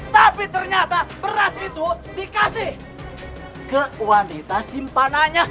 tapi ternyata beras itu dikasih ke wanita simpanannya